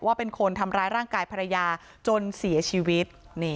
ว่าเป็นคนทำร้ายร่างกายภรรยาจนเสียชีวิต